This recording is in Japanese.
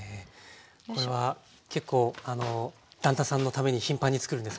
これは結構旦那さんのために頻繁につくるんですか？